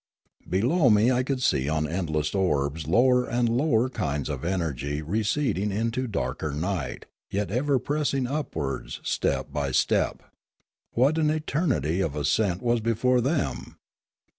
Below me I could see on endless orbs lower and lower kinds of energy receding into darker night, yet ever pressing upwards, step by step. What an eternity of ascent was before them!